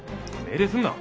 命令すんな！